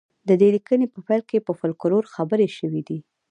د دې لیکنې په پیل کې په فولکلور خبرې شوې دي